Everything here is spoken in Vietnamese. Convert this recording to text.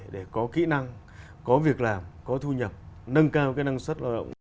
để có kỹ năng có việc làm có thu nhập nâng cao năng suất lao động